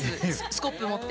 スコップ持って。